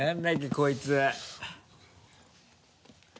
こいつ。